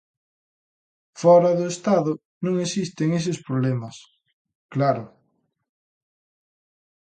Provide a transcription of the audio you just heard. Fóra do Estado non existen eses problemas, claro.